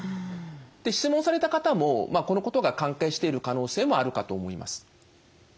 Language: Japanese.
質問された方もこのことが関係している可能性もあるかと思います。